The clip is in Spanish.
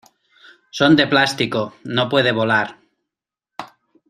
Son de plástico. No puede volar .